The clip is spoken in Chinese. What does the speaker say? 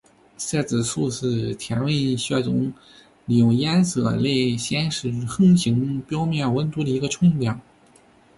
色指数是天文学中利用颜色来显示恒星表面温度的一个纯量。